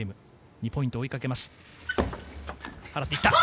２ポイント追いかけます。